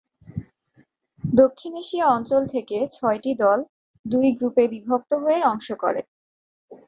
দক্ষিণ এশিয়া অঞ্চল থেকে ছয়টি দল দুই গ্রুপে বিভক্ত হয়ে অংশ করে।